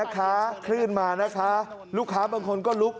คลื่นมานะคะลูกค้าบางคนก็ลุก